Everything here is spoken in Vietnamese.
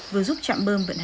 vừa giúp trạm bơm